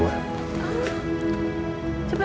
kan yang ama cuman